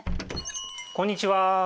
こんにちは！